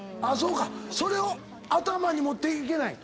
それを頭に持っていけない？